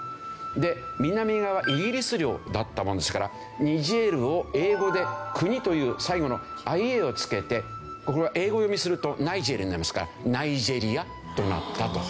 で南側イギリス領だったものですからニジェールを英語で「国」という最後の「ｉａ」を付けてこれ英語読みすると「ナイジェル」になりますから「ナイジェリア」となったと。